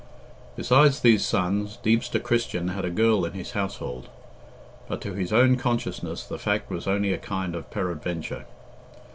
Besides these sons, Deemster Christian had a girl in his household, but to his own consciousness the fact was only a kind of peradventure.